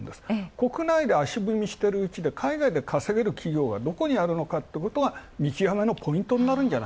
国内で足踏みしているうちに海外で稼げる企業がどこにあるのかってことが見極めのポイントになるんじゃ。